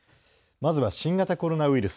まずは新型コロナウイルス。